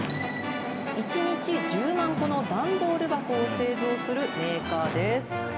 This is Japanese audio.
１日１０万個の段ボール箱を製造するメーカーです。